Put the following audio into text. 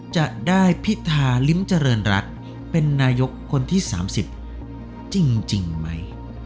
จะได้พิทาลิ้มเจริญรักษ์เป็นนายกคนที่สามสิบจริงจริงไหม